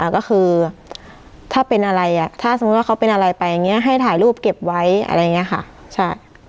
ก็คือถ้าเป็นอะไรอ่ะถ้าสมมุติว่าเขาเป็นอะไรไปอย่างนี้ให้ถ่ายรูปเก็บไว้อะไรอย่างนี้ค่ะใช่